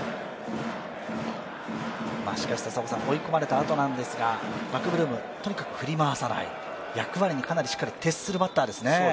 追い込まれたあとですが、マクブルーム、振り回さない、役割にかなりしっかり徹するバッターですね。